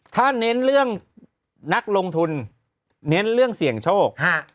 ถ้าเน้นเรื่องนักลงทุนเน้นเรื่องเสี่ยงโชค